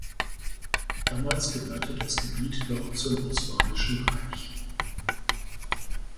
Damals gehörte das Gebiet noch zum Osmanischen Reich.